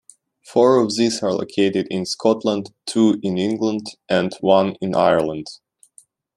Four of these are located in Scotland, two in England, and one in Ireland.